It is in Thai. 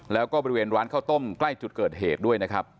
แล้วก็บริเวณร้านข้าวต้มใกล้จุดเกิดเหตุด้วยนะครับ